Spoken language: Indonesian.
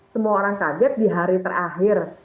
semua orang kaget di hari terakhir